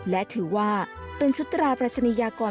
และถือว่าเป็นชุดตราปรัชนียากร